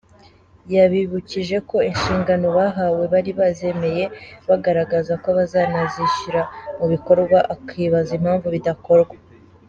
Yabibukije ko inshingano bahawe, bari bazemeye bagaragaza ko bazanazishyira mu bikorwa, akibaza impamvu bidakorwa.